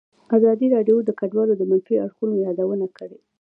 ازادي راډیو د کډوال د منفي اړخونو یادونه کړې.